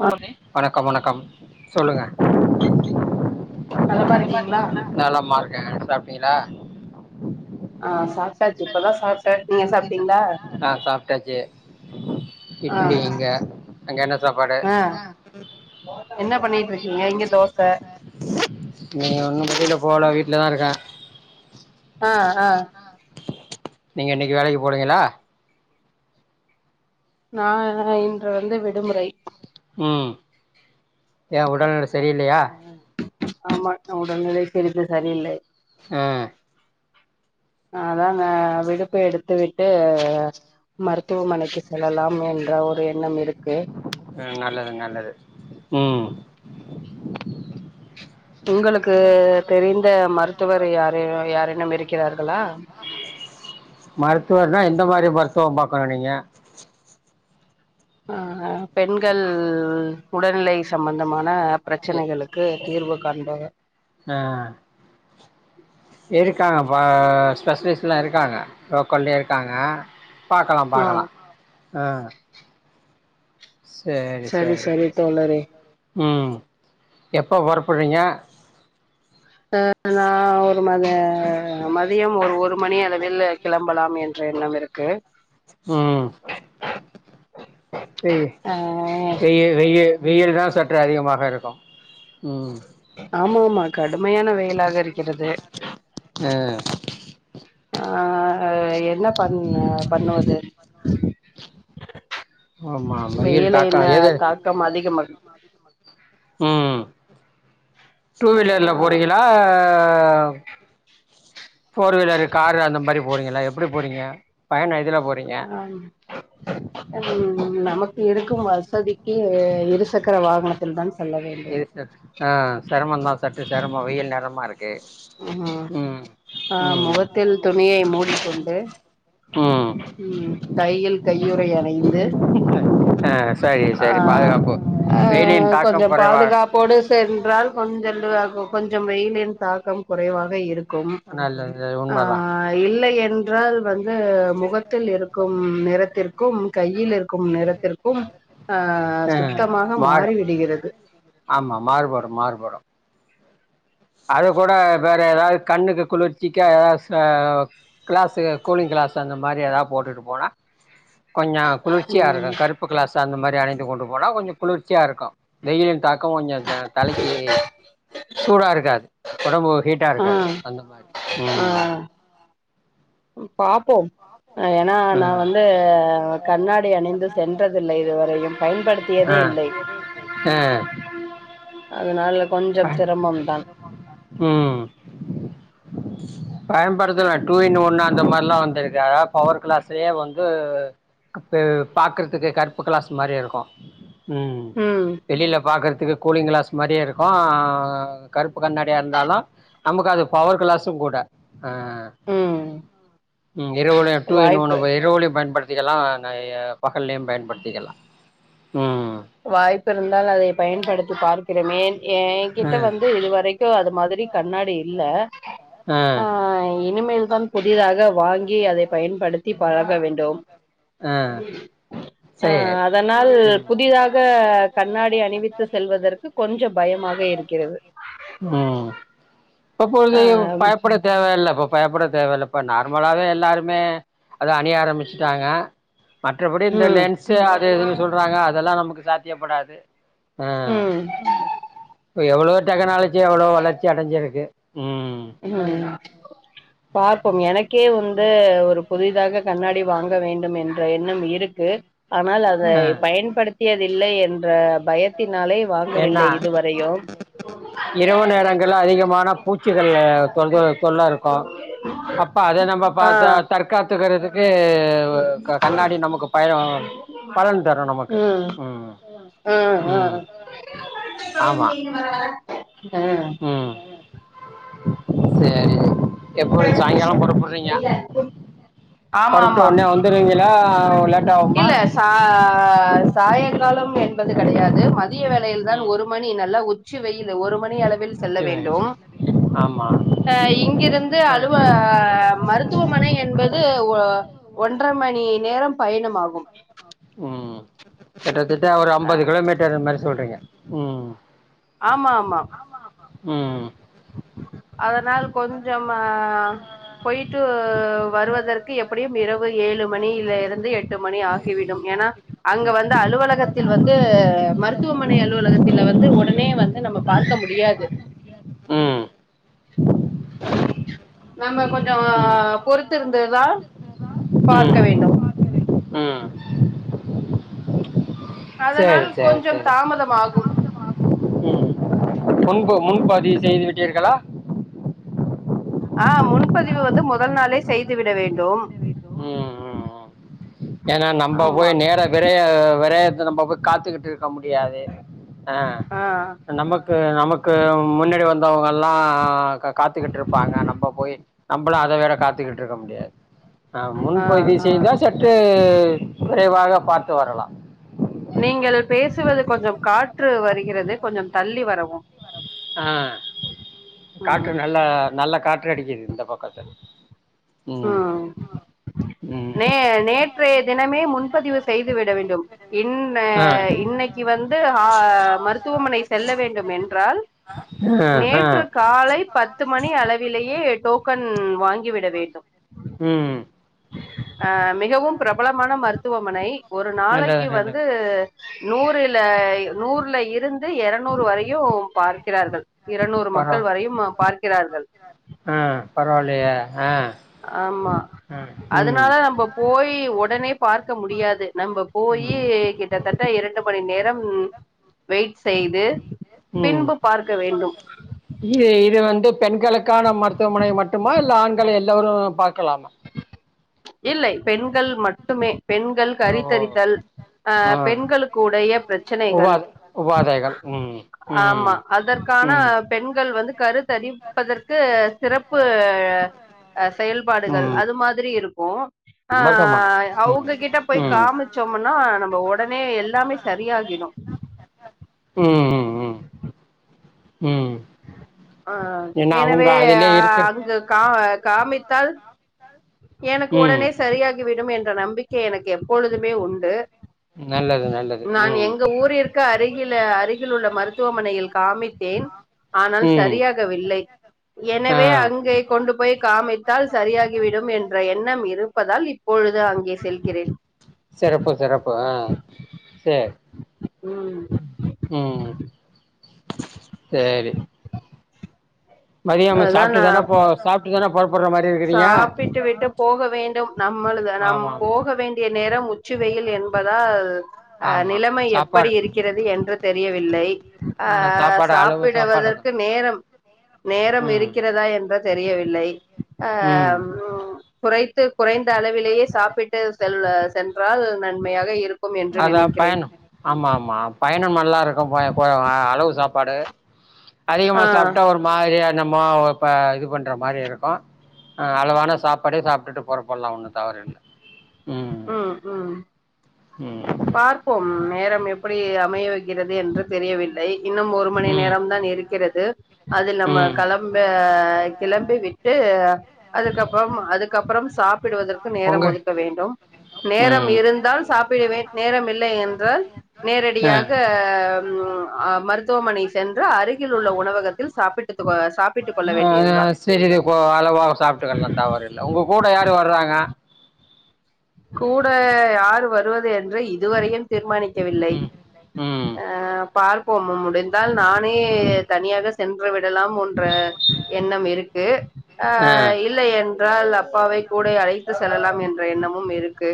வணக் வணக்கம் வணக்கம் சொல்லுங்க நீங்க நல்லா இருக்கீங்களா நலமா இருக்கே சாப்டீங்களா ஆ சாப்ட்டாச்சு இப்பதா சாப்ட்டே நீங்க சாப்ட்டீங்களா ஆஹ் சாப் ட்டாச்சு ஆ இட்லி இங்க அங்க என்ன சாப்பாடு ஆ என்ன பண்ணிட்டு இருக்கீங்க இங்க இல்லைங்க தோச ஒன்னு வெளில போல வீட்லதா இருக்கே ஆஹ் ஆஹ் நீங்க இன்னைக்கு வேலைக்கு போனீங்களா நா இன்று வந்து விடுமுறை உம் ஏ உடல்நிலை சரியில்லையா ஆமா நம் உடல்நிலை சிறிது சரியில்லை ஆஹ் அதா நா விடுப்பு எடுத்து விட்டு மருத்துவமனைக்கு செல்லலாம் என்ற ஒரு எண்ணம் இருக் உம் நல்லது நல்லது உம் உங்களுக்கு தெரிந்த மருத்துவர் யாரே யாரேனும் இருக்கிறார்களா மருத் துவர்னா எந்த மாரி மருத்துவம் பாக்கணு நீங்க ஆஹ்ஹா பெண்கள் உடல்நிலை சம்மந்தமானப் பிரச்சனைகளுக்கு தீர்வுக் கண்டு ஆஹ் இருக்காங்கபா ஸ்பெஷலிஸ்ட்லா இருக்காங்க லோக்கல்லே இருக்காங்க பாக்கலா ஆ பாக்கலா அஹ் சேரி சரி சேரி சரி தோழரே உம் ம் எப்போ வரப்போறீங்க ஆஹ் நா ஒர் சும்மாதே மதியம் ஒரு ஒரு மணி அளவில்லு கிளம்பலாம் என்ற எண்ணம் இருக்கு உம் வெய் ஆ வெய வெயி வெயில் தா சற்று அதிகமாக இருக்கு உம் ஆமா உமா கடுமையான வெயிலாக இருக்கிறது ஆ ஆஹ் என்ன பத் ன்ன பண்ணுவது ஆமா மயில் தாக்க வெயிலின் எது தாக்கம் அதிகமாக உம் டூ வீலர்ல போறீங்களா ஃபோர் வீலரு காரு அந்த மாரி போறீங்கல்ல எப்டி போறீங்க பையன எதுல ஆஹ் ம் நமக் இருக்கும் வசதிக்கு இருசக்கர வாகனத்தில் தான் செல்ல வேண்டும் இது செ ஆஹ் செரமந்தா சற்று செரமோ வெயில் நேரமா இருக் ஆ ஆ ம் மொகத்தில் துணியை மூடிக்கொண்டு ம் உம் கையில் கையுறை அ ணிந்து ஆ சரி சரி ஆஹ் பாதுகாப்பு வெயிலின் ஆஹ் கொஞ்சோ தாக்கம் குறைவா இருக்கும். பாதுகாப்போடு சென்றால் கொஞ்சோ [unintelligible] கொஞ்சோ வெயிலின் தாக்கம் குறைவாக இருக் ருக்கு நல்லது உண்மதா ஆஹ் இல்லை என்றால் வந்து முகத்தி இருக்கு நிறத்திற்கு கையில் இருக்கு நிறத்திற்கு ஆஹ் ஆ சுத்தமாக மாறு மாறிவிடுகிறது ஆமா அத கூட வேற ஏதாவ்து கண்ணுக்கு குளிர்ச்சிக்கா ஏதாவது ச கிளாஸு கூலிங் கிளாஸு அந்த மாரி ஏதா போட்டுட்டு போனா கொஞ்சோ குளிர்ச்சியா ம் இருக்கும் கருப்பு க்ளாஸு அந்த மாரி அணிந்து கொண்டு போனா கொஞ்சோ குளிர்ச்சியா இருக்கு வெய்யிலி தாக்கம் கொஞ்சோ த தலைக்கி சூடா இருக் காது ஒடம்பு ஹீட்டா ஆ இருக்காது அந்த மாரி உம் பாப்போ ஏன்னா நா ம் வந்து கண்ணாடி அணிந்து சென்றதில்ல இதுவரையு ஆ பயன்படுத்தியதே இல்லை னால உம் பயன்படுத்தலா டூ இன் ஒன்னு அந்த மாரில்லா வந்திருக்கு அதா பவர் கிளாஸ்லியே வந்து அப் - பாக்குறதுக்கு கருப்பு க்ளாஸ் மாரியே இருக்கு உம் ம் வெளியில பாக்குறதுக் த்துக்கு கூலிங் கிளாஸ் மாரியே இருக்கும் ஆஹ் கருப் ப்பு கண்ணாடியா இருந்தாலும் நமக்கு அது பவர் கிளாஸ் சும்கூட ஆஹ் ம் உம் இரவில டூ இன் வாய்ப்பு ஒன் இரவிலேயு பயன்படுத் திக்கலாம் நெறயா பகலியும் பயன்படுத்திக்கலாம் வாய்ப்பு இருந்தால் அதை பயன்படுத்தி பார்க் கிருமேன் எ ஆ என்கிட்ட வந்து இது வரைக்கும் அது மாதிரி கண்ணாடி இல்ல ஆ ஆஹ் இனி இனிமேல்தா புதிதாக வாங்கி கி அதைப் பயன்படுத்தி பழக வேண்டு டொம் ஆ அஹ் சேரி அதனால் புதிதாக க கண்ணாடி அணிவித்து செல்வதற்கு கொஞ்சோ பயமாக இருக்கிறது ஆ பப்பொழுதியோ பயப்பட தேவயில்லப்பா பயப்பட தேவையில்ல இப்போ நார்மலாவே எல்லோருமே அத அணிய ஆரம்பிச்சிட்டாங்க மற்றபடி இந்த ம் லென்ஸு அது இதுன்னு சொல்றாங்க அதெல்லா நமக்கு சாத்தியப்படாது ஆஹ் ம் இப்ப எவ்ளோ டெக்னாலஜி எவ்ளோ வளர்ச்சி அடைஞ்சிருக்கு ம் ஹம் பா ப்ப எனக்கே வந்து ஒரு புதிதாக கண்ணாடி வாங்க வேண்டும் என்ற எண்ண இருக்கு ஆனால் அத ஆ பயன்படுத்திய இல்லை என்ற பயத்தில் என்னா இரவு நேரங்கள் அதிகமான பூச்சி கல தொல்ல தொல் தொல தொல்ல இருக்கும் அப்ப அத நம்ப ஆ பார்த்த தற்காத்துக் வ க கண்ணாடி நமக்கு பய பலன் தரும் நமக்கு உம் ஆஹ் ஆஹ் ஆமா [inaudible] ஆஹ் சரி ஆமா புறப்பட்டு ஆமா உடனே வந்துருவீங்களா லேட் ஆகுமா இல்ல சா சாயங்காலம் என்பது கிடையாது மதிய வேலையில்தான் ம் ஒரு மணி நல்ல உச் சி வெயில் ஒரு மணி அளவில் செல்ல வச்சுருவேன். வேண்டும் ஆமா ஆஹ் இங்கிருந் ஒரு அலுவ மருத்துவமனை என்பது ஒ ஒன்ற மணி நேரம் பயணமாகு உம் கிட்ட திட்ட ஒரு அம்பது கிலோமீட்டர் இந்த மாரி சொல்றீங்க உம் ஆமா மா உம் அதனால் கொஞ்சம் ஆ போயிட்டு வருவதற்கு எப்படியும் இரவு ஏழு மணியில ருந்து எட் மணி ஆகிவிடும் ஏன்னா அங்க வந்து அலுவலகத்தில் வந்து மருத்துவமனை அலுவலகத்தில வந்து உடனே வந்து நம்ம பார்க்க முடியாது ம் நம்ம கொஞ்சோ ம் பொறுத்திருந்ததுதா பார்க்க ம் வேண்டும் ம் சேரி அதனால் சேரி கொஞ்சம் சேரி தாமதமாகும் ம் முன்பு முன்பதி செய்து விட்டீர்களா ஆஹ் முன்பதிவு வந்து முதல் நாளே செய்து விட வேண்டும் உம் உம் ஏனா நம்ம போய் ஆமா நேர விரைய விரைய நம்ம போய் காத்துக்கிட்டு இருக்க முடியாது ஆஹ் ஆ நமக்கு நமக்கு முன்னாடி வந்தவங்கள ளா காத்துக்கிட்டு இருப்பாங்க நம்ம போய் நம்மளும் அத வேற காத்துக்கிட்டு இருக்க முடியாது ஆஹ் ஆ முன்பதி ஆ செய்தா சற்டு விரைவாக பார்த்து வரலாம் நீங்கள் பேசுவது கொஞ்சம் காற்று வருகிறது கொஞ்சம் தள்ளி வரவும் ஆஹ காற்று ம் நல்லா நல்ல காற்று அடிக்குது இந்த பக்கத்துல உஹம் ம் நே நேற்றைய தினமே முன்பதிவு செய்து விட வேண்டும் இன் ஆ இன்னைக்கு வந்து ஆஹ மருத்துவமனை செல்ல வேண்டும் என்றால் ஆ ஆ நேற்று காலை பத்து மணி அளவிலேயே டோக்கன் வாங்கி விட வேண்டும் உம் அஹ் மிகவும் பிரபலமான மருத்துவமனை ஒரு நல்லது நாளைக்கு நல்லது வந்து நூறுல நூற்ல இருந்து எரநூறு வரையு பார்க்கிறார்கள் இருநூறு பரவா மக்கள் வரையும் பார்க்கிறார்கள் ஹ ஆமா அதனால நம்ம போய் உடனே பார் க்க முடியாது நம்ம போயி ம் கிட்டத்தட்ட இரண்டு மணி நேரம் வெயிட் செய்து உம் பின்பு பார்க்க வேண்டும் இ இது வந்து பெண்களுக்கான மருத்துவமனை மட்டுமா இல்ல ஆண்களை எல்லோரும் பார்க்க இல்லை பெண்கள் மட்டுமே பெண்கள் ஓ கறித்தரித்தல் ஆ அஹ் பெண்களுக்குடைய உபா பிரச்சனைகள் உபாதைகள் ம் ம் ஆமா அதற்கான ம் பெண்கள் வந்து கருத்தரிப்பதற்கு சிறப்பு அ அசெயல்பாடுகள் ம் அது மாதிரி இருக் போ மருத்துவமனை ஆஹ் ம் அவ்ங்க கிட்ட போய் ம் காமிசோம்ன்னா நம்ம உடனே எல்லாமே சரியாகிடும் உம் உம்ம் ஆஹ் அவங்க எனவே அதுலயே அஹ் இருக்கு அங்க கா காமித்தால் எனக்கு ம் உடனே சரியாகிவிட் என்றும் என்ட நம்பிக்கை எனக்கு எப்பொழுதுமே உண்டு நல்லது நல்லது நான் ம் எங்க ஊர்ருக்க அருகில அருகில் உள்ள மருத்துவமனையில் காமித்தேன் ஆனால் ம் சரியாகவில்லை ஆ எனவே அங்கே கொண்டு போய் காமித்தால் சரியாக என்றும் என்ட எண்ணம் இருப்பதால் இப்பொழுது அங்கே செல் சிறப்பு சிறப்பு ஆஹ் செர் ம் உம் செரி மதியோம் அதான் சாப்புட்டு தானா நான் போ ப- சாப்புட்டுதானே சாப்பிட்டு விட்டு போக வேண்டும் நம்மளது நம் ஆமா போக ஆமா வேண்டிய நேரம் உச்ச வெயில் என்பதால் அஹ் ஆமா நிலைமை எப்படி சாப்பாடு இருக்கிறது என்று தெரியவில்லை ஆனா அஹ் சாப்பாடு அளவு சாப்பாடுதா சாப்பிடுவதற்கு நேரம் நேரம் ம் இருக்கிறதா என்று தெரியவில்லை [unintelligible] ம் ஆஹ உ குறைது குறைந்த அளவிலேயே சாப்பிட்டு செ சென்றால் நன்மையாக இரு அதா பயணம் ஆமா ஆமா பயணம் மாட் நல்லா இருக்கும்பா கோ அளவு சாப்பாடு அதிகமா ஆ சாப்ட்டா ஒரு மாதிரியா நம்மோ ப இது பண்ற மாதிரி இருக்கு அளவான சாப்பாடே சாப்பிட்டு போறப்படலா ஒன்னு தவற் இல்ல ம் உஹம் உஹம் ம் பார்ப்போம் நேரம் எப்படி அமைய வை கிறது என்று தெரியவில்லை இன்னும் ஒரு மணி நேரம தான் இருக்கிறது அதில் நம்ம ம் ம் கிளம்ப கிளம்பி விட்டு அதுக்கப்றோம் அதுக்கப்றோம் சாப்பிடுவதற்கு பொங்க நேரம் ஒதுக்க வேண்டும் நேரம் ம் இருந்தால் சாப்பிடுவேன் நேரம் இல்லை என்றால் நேரடியாக என்றால் மருத்துவமனை சென்று அருகில் உள்ள உணவகத்தில் சாப்பிட்டுதுவ சாப்பிட்டுக் கொள்ள வேண்டியதுதான் செரி [unintelligible] அளவா சாப்பிட்டுகலா தவறுல்ல உங்க கூட யாரும் து வர்றாங்க கூட யார் வருவது என்று இதுவரையு தீர்மானிக் வில்லை ம் ஆ பார்போம் முடிந்தால் நான் [unintelligible] தனியாக சென்று விடலாம் ஒன்று என்ற எண்ணம் இருக்கு ஆ இல்லை என்றால் அப்பாவை கூட அழைத் செல்லலாம் என்ற எண்ணம் ம் இருக்கு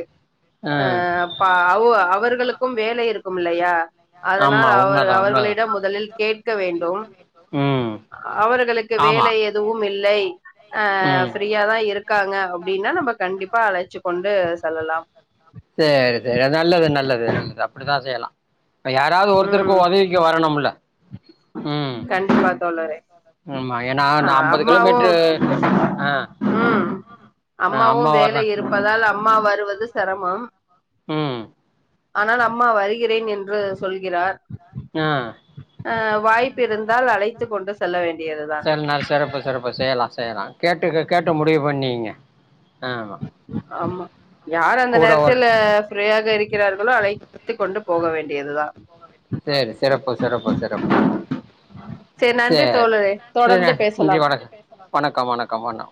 ஆ அஹ்ப்ப அவ ஓ அவர்களுக்கும் வேலை இருக்கும் இல்லையா ஆமா அதனால் அவர் உண்மதா உண்மதா அவர்களிடம் முதலில் கேட்க வேண்டும் ம் அவர்களுக்கு ஆமா வேலை எதுவும் இல்லை ஆ ம் ஃப்ரீயாதான் இருக்காங்க அப்படின்னா நம்ம கண்டிப்பா [unintelligible] கொண்டு செல்லலாம் சரி சரி நல்லது நல்லது நல்லது அப்படித்தான் செய்யலாம் யாராவது ம் ஒருத்தருக்கும் உதவிக்கு வரணும்ல ம் கண்டிப்பா தோழரே ஆமா ஏன்னா ஆ நான் அம்பது அம்மாவு கிலோமீட்டரு ஆ ம் ஆ அம்மா வர்றேன் அவது சிரமம் ம் ஆனால் அம்மா வருகிறேன் என்று சொல்கிறார் ஆ ஆ வாய்ப்பிருந்தால் அழைத்து கொண்டு செல்ல வேண்டும் சரி நாள் சிறப்பு சிறப்பு செய்யலாம் செய்யலாம் கேட்டு க கேட்டு முடிவு பண்ணிங்க ஆமா யார் அந்த கூட ஒரு நேரத்தில் ஃப்ரீயாக இருக்கிறார்களோ அழைத்துக் கொண்டு போக வேண்டியதுதான் சரி சிறப்பு சிறப்பு சிறப்பு செரி நன்றி சரி தோழரே தொடர்ந்து பேசலாம் நன்றி வணக்கம் வணக்கம் வணக்கம் வண்ணா